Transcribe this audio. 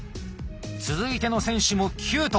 続いての選手も「キュート」。